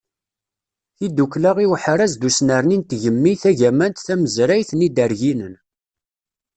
Tidukla i uḥraz d usnerni n tgemmi tagamant tamezrayt n Yiderginen.